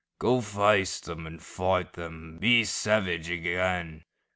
Go face them and fight them, Be savage again.